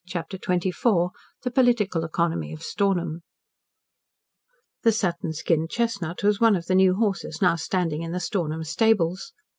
CHAPTER XXIV THE POLITICAL ECONOMY OF STORNHAM The satin skinned chestnut was one of the new horses now standing in the Stornham stables.